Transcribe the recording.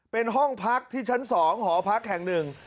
เป็นห้องพักที่ชั้น๒หอพักแห่งหนึ่ง